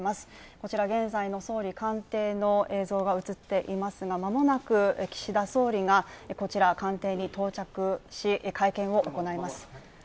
こちら現在の総理官邸の様子が映っていますが、間もなく岸田総理が官邸に到着し、会見を行います。